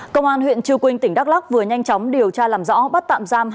công an huyện chư quynh tỉnh đắk lắc vừa nhanh chóng điều tra làm rõ bắt tạm giam